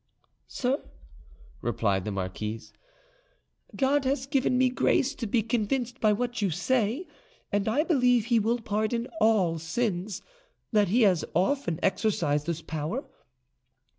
"Sir," replied the marquise, "God has given me grace to be convinced by what you say, and I believe He will pardon all sins—that He has often exercised this power.